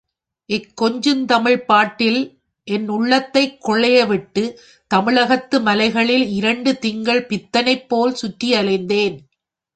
இக்கொஞ்சு தமிழ்ப் பாட்டில் என் உள்ளத்தைக் குழையவிட்டு, தமிழகத்து மலைகளில் இரண்டு திங்கள் பித்தனைப்போல் சுற்றியலைந்தேன்.